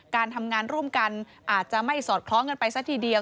การทำงานร่วมกันอาจจะไม่สอดคล้องกันไปซะทีเดียว